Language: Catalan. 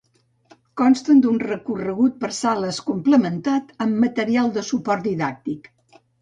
Consten d'un recorregut per sales complementat amb material de suport didàctic.